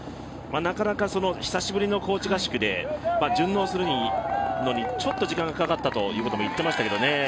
なかなか、久しぶりの高地トレーニングで順応するのにちょっと時間がかかったということも言っていましたけどね。